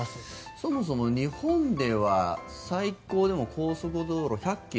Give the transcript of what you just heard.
そもそも日本では最高でも高速道路は１００ｋｍ？